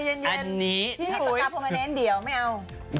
พี่ประกาศผมมาเล่นเดี๋ยวไม่เอา